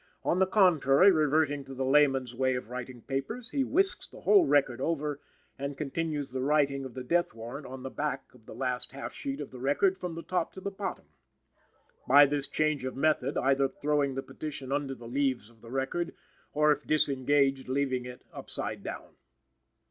On the contrary, reverting to the layman's way of writing papers, he whisks the whole record over, and continues the writing of the death warrant on the back of the last half sheet of the record from the top to the bottom by this change of method, either throwing the petition under the leaves of the record, or, if disengaged, leaving it upside down.